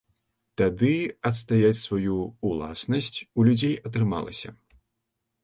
Тады адстаяць сваю ўласнасць у людзей атрымалася.